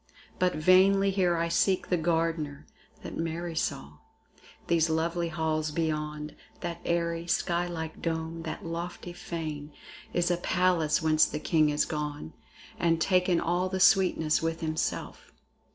But vainly here I seek the Gardener That Mary saw. These lovely halls beyond, That airy, sky like dome, that lofty fane, Is as a palace whence the king is gone And taken all the sweetness with himself.